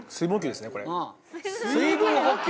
水分補給！